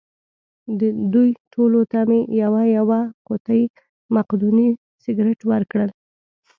دوی ټولو ته مې یوه یوه قوطۍ مقدوني سګرېټ ورکړل.